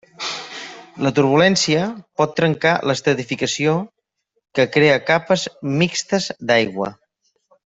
La turbulència pot trencar l'estratificació que crea capes mixtes d'aigua.